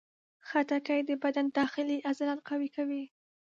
خټکی د بدن داخلي عضلات قوي کوي.